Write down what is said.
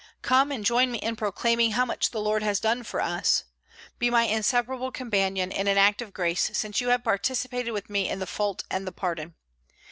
Come, and join me in proclaiming how much the Lord has done for us. Be my inseparable companion in an act of grace, since you have participated with me in the fault and the pardon.